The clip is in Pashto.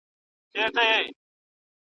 پاکیزه له اوږدې مودې لیکنې لیکلې دي.